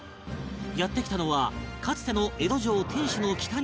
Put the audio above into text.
やって来たのはかつての江戸城天守の北に位置する